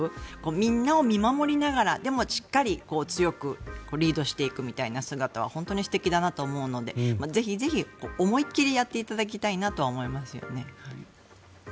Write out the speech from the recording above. みんなを見守りながらでもしっかり強くリードしていくみたいな姿は本当に素敵だなと思うのでぜひぜひ思い切りやっていただきたいなとは思いますよね。